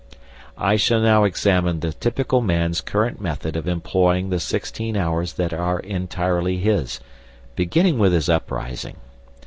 I shall now examine the typical man's current method of employing the sixteen hours that are entirely his, beginning with his uprising.